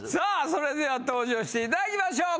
それでは登場していただきましょう。